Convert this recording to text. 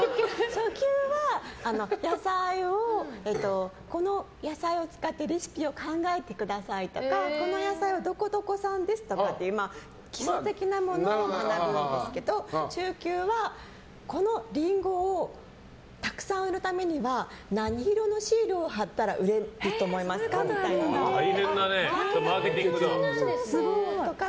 初級は野菜をこの野菜を使ってレシピを考えてくださいとかこの野菜はどこどこ産ですとか基礎的なものを学ぶんですけど中級はこのリンゴをたくさん売るためには何色のシールを貼ったら売れると思いますか？とか。